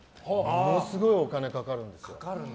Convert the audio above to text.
ものすごいお金かかるんですよ。